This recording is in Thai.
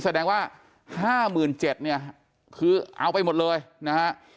แสดงว่า๕๗๐๐เนี่ยคือเอาไปหมดเลยนะฮะ